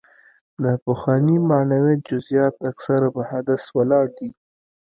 د پخواني معنویت جزیات اکثره په حدس ولاړ دي.